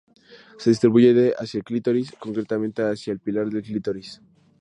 Se distribuye hacia el clítoris, concretamente hacia el pilar del clítoris.